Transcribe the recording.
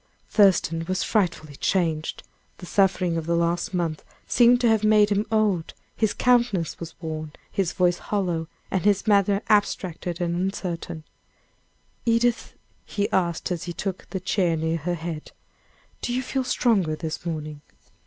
Thurston was frightfully changed, the sufferings of the last month seemed to have made him old his countenance was worn, his voice hollow, and his manner abstracted and uncertain. "Edith," he asked, as he took the chair near her head, "do you feel stronger this morning?"